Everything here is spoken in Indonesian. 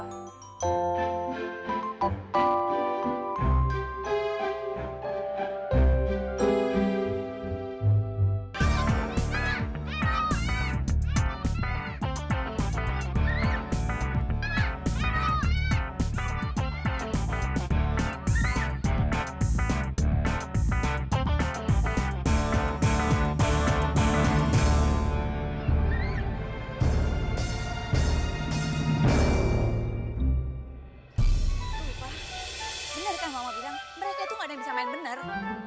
lupa bener kan mama bilang mereka tuh gak ada yang bisa main bener